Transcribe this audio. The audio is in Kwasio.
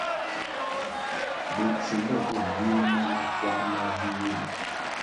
Botsimbo bo nih ma makwar ma vih ri.